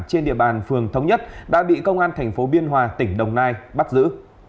trên địa bàn phường thống nhất đã bị công an tp biên hòa tỉnh đồng nai bắt giữ